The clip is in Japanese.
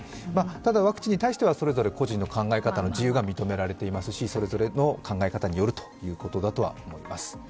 ただワクチンに対してはそれぞれ個人の考えが認められていますし、それぞれの考え方によるということだとは思います。